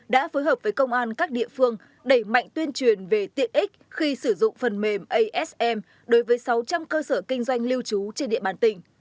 đã phối hợp với công an các địa phương đẩy mạnh tuyên truyền về tiện ích khi sử dụng phần mềm asm đối với sáu trăm linh cơ sở kinh doanh lưu trú trên địa bàn tỉnh